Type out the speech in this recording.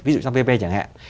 ví dụ vvp chẳng hạn